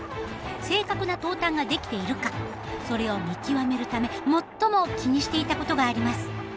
正確な投炭ができているかそれを見極めるため最も気にしていたことがあります。